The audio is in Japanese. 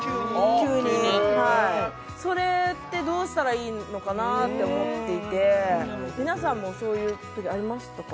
急にそれってどうしたらいいのかなって思っていて皆さんもそういうときありましたか？